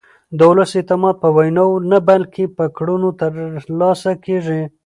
د ولس اعتماد په ویناوو نه بلکې په کړنو ترلاسه کېږي